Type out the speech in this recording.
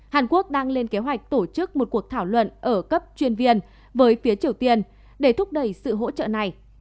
hàn quốc đang lên kế hoạch tổ chức một cuộc thảo luận ở cấp chuyên viên với phía triều tiên để thúc đẩy sự hỗ trợ này